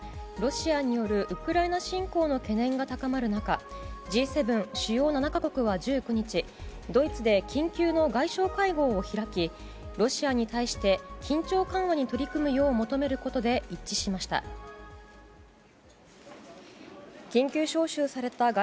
ロシアによるウクライナ侵攻の懸念が高まる中Ｇ７・主要７か国は１９日ドイツで緊急の外相会合を開きロシアに対して緊張緩和に取り組むよう求めることで一致しました。